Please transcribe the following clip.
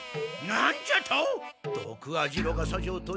なんじゃと！？